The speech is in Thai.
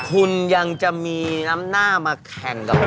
คุณยังจะมีน้ำหน้ามาแข่งกับเรา